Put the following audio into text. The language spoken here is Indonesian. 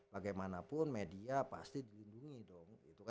bagaimanapun media pasti dilindungi dong